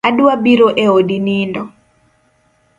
Adwa biro e odi nindo